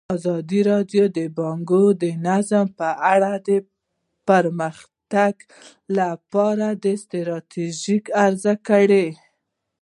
ازادي راډیو د بانکي نظام په اړه د پرمختګ لپاره د ستراتیژۍ ارزونه کړې.